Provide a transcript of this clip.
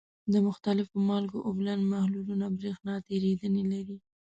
د مختلفو مالګو اوبلن محلولونه برېښنا تیریدنې لري.